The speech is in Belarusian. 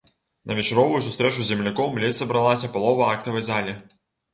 На вечаровую сустрэчу з земляком ледзь сабралася палова актавай залі.